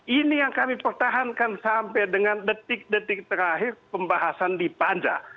ini yang kami pertahankan sampai dengan detik detik terakhir pembahasan di panja